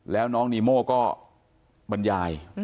แล้วน้องนีโม่ก็บรรยาย